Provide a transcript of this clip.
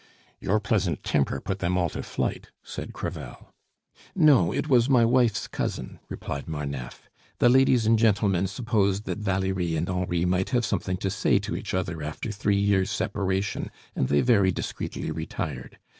"Your pleasant temper put them all to flight," said Crevel. "No, it was my wife's cousin," replied Marneffe. "The ladies and gentlemen supposed that Valerie and Henri might have something to say to each other after three years' separation, and they very discreetly retired.